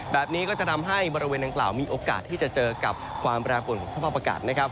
แบบนี้ก็จะทำให้บริเวณดังกล่าวมีโอกาสที่จะเจอกับความแปรปวนของสภาพอากาศนะครับ